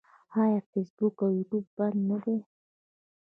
آیا فیسبوک او یوټیوب بند نه دي؟